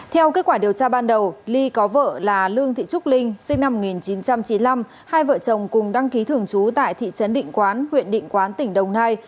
hai vợ chồng cùng đăng ký thường chú tại thị trấn định quán huyện định quán tỉnh đồng nai